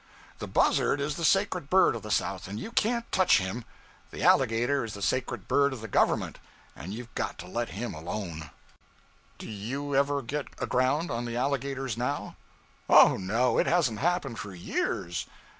The buzzard is the sacred bird of the South, and you can't touch him; the alligator is the sacred bird of the Government, and you've got to let him alone.' 'Do you ever get aground on the alligators now?' 'Oh, no! it hasn't happened for years.'